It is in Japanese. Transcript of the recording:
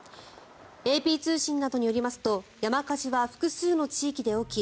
ＡＰ通信などによりますと山火事は複数の地域で起き